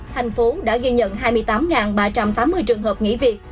tp hcm đã ghi nhận hai mươi tám ba trăm tám mươi trường hợp nghỉ việc